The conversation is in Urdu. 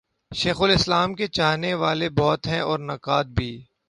شیخ الاسلام کے چاہنے والے بہت ہیں اور نقاد بھی۔